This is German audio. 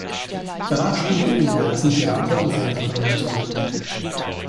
Danach spielte er in diversen Theater- und Fernsehproduktionen mit.